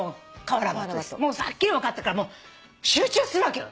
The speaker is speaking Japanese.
はっきり分かったから集中するわけよ。